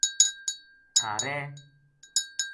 تھہارے